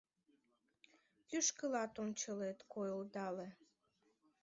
Кӱшкылат ончылет койылдале.